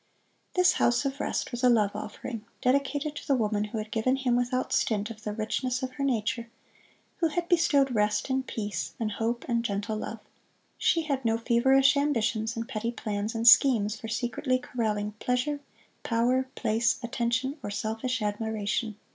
This "House of Rest" was a Love Offering, dedicated to the woman who had given him, without stint, of the richness of her nature; who had bestowed rest, and peace, and hope and gentle love. She had no feverish ambitions and petty plans and schemes for secretly corralling pleasure, power, place, attention, or selfish admiration.